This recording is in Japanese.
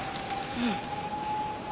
うん。